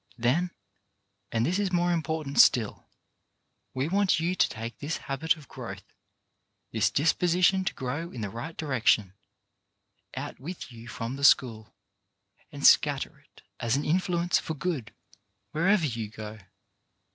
Then, and this is more important still, we want you to take this habit of growth — this disposition to grow in the right direction — out with you from the school, and scatter it as an influence for good wherever you go.